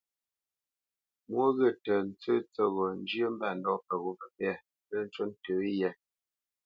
Mwô ghyə̂ tə tsə́ tsə́ghō njyə́ mbândɔ̂ peghó lə́ ncú ntə yē.